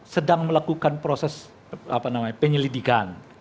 sedang melakukan proses penyelidikan